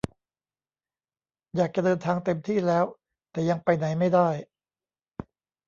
อยากจะเดินทางเต็มที่แล้ว แต่ยังไปไหนไม่ได้